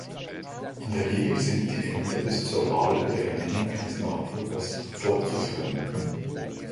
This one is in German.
In der Regel sind die Ämter bis zur Wahl oder Ernennung eines Nachfolgers fortzuführen.